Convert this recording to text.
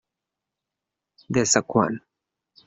Des de quan?